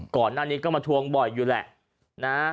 ก่อนอันนี้ก็มาทวงบ่อยอยู่แหละ